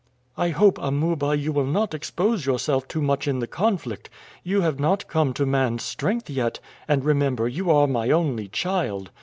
"I hope, Amuba, you will not expose yourself too much in the conflict. You have not come to man's strength yet; and remember you are my only child.